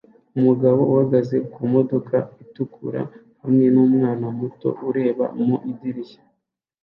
Umugabo uhagaze kumodoka itukura hamwe numwana muto ureba mu idirishya